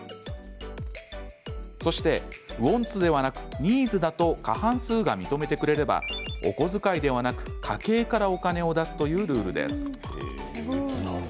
そして、ウォンツではなくニーズだと過半数が認めてくれればお小遣いではなく、家計からお金を出すというルールです。